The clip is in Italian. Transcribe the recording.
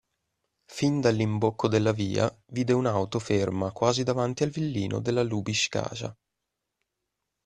Fin dall'imbocco della via, vide un'auto ferma quasi davanti al villino della Lubiskaja.